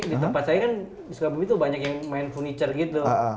di tempat saya kan di sukabumi tuh banyak yang main furniture gitu